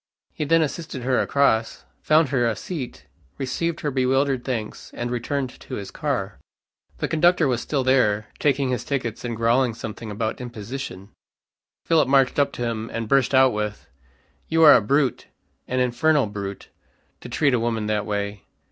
He then assisted her across, found her a seat, received her bewildered thanks, and returned to his car. The conductor was still there, taking his tickets, and growling something about imposition. Philip marched up to him, and burst out with, "You are a brute, an infernal brute, to treat a woman that way."